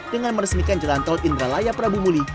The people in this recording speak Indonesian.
dengan meresmikan jalan tol indralaya prabu muli